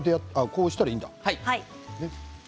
こうしたらいいんだ。